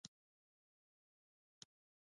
دوی بانکونه او دفترونه ساتي.